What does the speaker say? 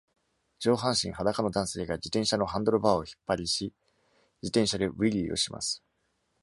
上半身裸の男性が自転車のハンドルバーを引張りし、自転車でウイリーをします。